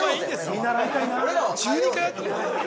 ◆見習いたいなあ。